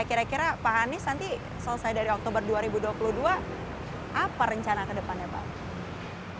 kira kira pak anies nanti selesai dari oktober dua ribu dua puluh dua apa rencana ke depannya pak